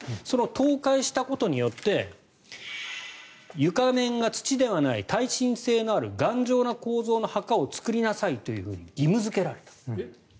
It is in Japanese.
倒壊したことによって床面が土ではない耐震性のある頑丈な構造の墓を作りなさいと義務付けられた。